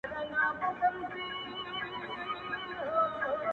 بيا به مي د ژوند قاتلان ډېر او بې حسابه سي ـ